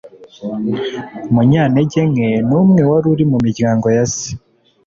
munyantege nke n umwe wari uri mu miryango ye